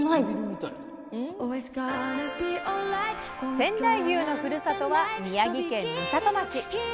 仙台牛のふるさとは宮城県美里町。